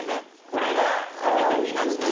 これが決め手になって？